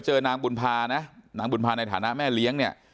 เจอนางบูนภานางบูนภาในฐานะแม่เลี้ยงเนี่ย